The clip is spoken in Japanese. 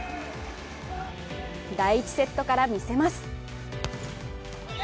第１セットから見せます。